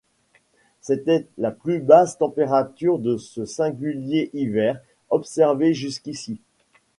C’était la plus basse température de ce singulier hiver, observée jusqu’ici.